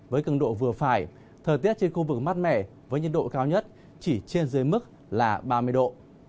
với cường độ vừa phải thời tiết trên khu vực mát mẻ với nhiệt độ cao nhất chỉ trên dưới mức là ba mươi độ